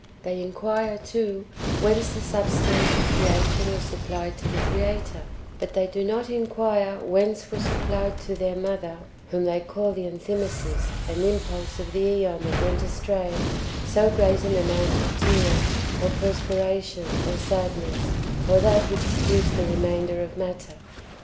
They inquire, too, whence the substance of creation was supplied to the Creator ; but they do not inquire whence [were supplied] to their Mother (whom they call the Enthymesis and impulse of the ^on that went astray) so great an amount of tears, or perspiration, or sad ness, or that which produced the remainder of matter.